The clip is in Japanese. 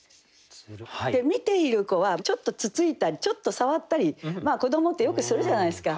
見ている子はちょっとつついたりちょっと触ったり子どもってよくするじゃないですか。